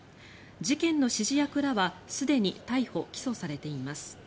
事件の指示役らはすでに逮捕・起訴されています。